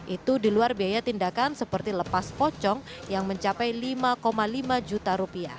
itu di luar biaya tindakan seperti lepas pocong yang mencapai rp lima lima juta